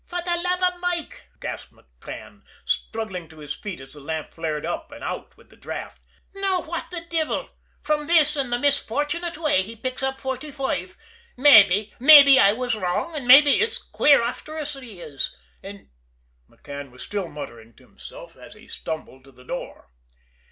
"For the love av Mike!" gasped McCann, staggering to his feet as the lamp flared up and out with the draft. "Now, fwhat the divil from this, an' the misfortunate way he picks up forty foive, mabbe, mabbe I was wrong, an' mabbe ut's queer after all, he is, an' " McCann was still muttering to himself as he stumbled to the door.